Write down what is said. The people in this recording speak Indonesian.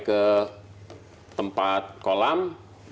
ke tempat kolam membuka nianjoin itu kan banyak orang orang urusan yang